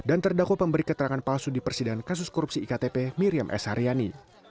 dan terdakwa pemberi keterangan palsu di persidangan kasus korupsi iktp miriam s haryani